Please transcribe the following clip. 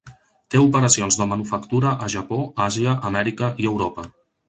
Té operacions de manufactura a Japó, Àsia, Amèrica i Europa.